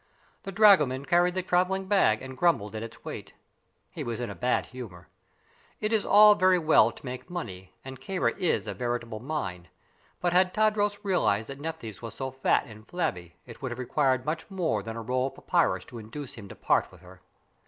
The dragoman carried the traveling bag and grumbled at its weight. He was in a bad humor. It is all very well to make money, and Kāra is a veritable mine; but had Tadros realized that Nephthys was so fat and flabby, it would have required much more than a roll of papyrus to induce him to part with her.